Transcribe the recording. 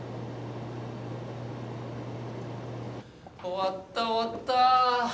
終わった終わった！